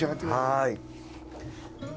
はい。